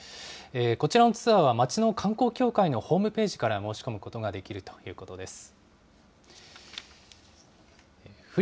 こちらのツアーは町の観光協会のホームページから申し込むことができるということです。